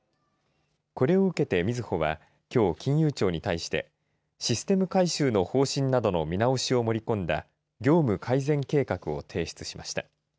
これを受けて、みずほはきょう金融庁に対してシステム改修の方針などの見直しを盛り込んだ業務改善計画を提出しました。